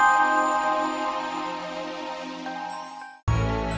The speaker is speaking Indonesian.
jangan lupa pak